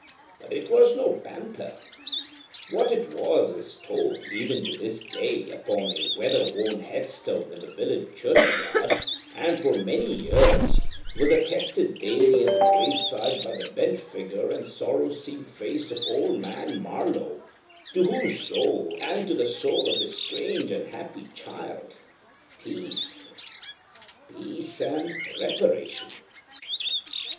But it was no panther. What it was is told, even to this day, upon a weather worn headstone in the village churchyard, and for many years was attested daily at the graveside by the bent figure and sorrow seamed face of Old Man Marlowe, to whose soul, and to the soul of his strange, unhappy child, peace. Peace and reparation.